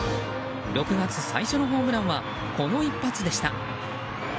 ６月最初のホームランはこの一発でした。